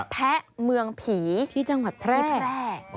แพะเมืองผีที่จังหวัดแพร่